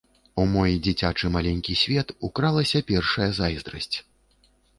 У мой дзіцячы маленькі свет укралася першая зайздрасць.